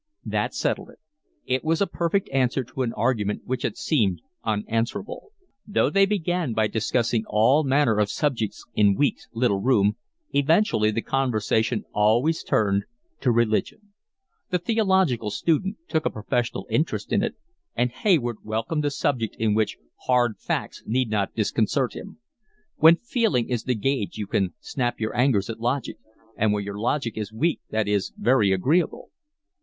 That settled it. It was a perfect answer to an argument which had seemed unanswerable. Though they began by discussing all manner of subjects in Weeks' little room eventually the conversation always turned to religion: the theological student took a professional interest in it, and Hayward welcomed a subject in which hard facts need not disconcert him; when feeling is the gauge you can snap your angers at logic, and when your logic is weak that is very agreeable.